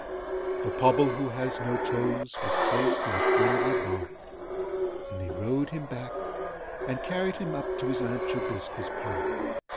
VI The Pobble who has no toes Was placed in a friendly Bark, And they rowed him back, and carried him up, To his Aunt Jobiska's Park.